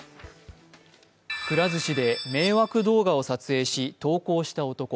くら寿司で迷惑動画を撮影し投稿した男。